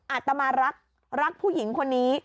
อาตมารักรักผู้หญิงคนนี้